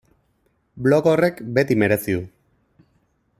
Blog horrek beti merezi du.